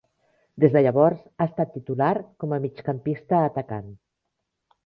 Des de llavors ha estat titular com a migcampista atacant.